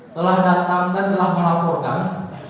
telah datang dan telah melaporkan